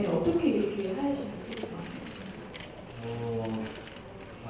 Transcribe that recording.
ก็คิดว่า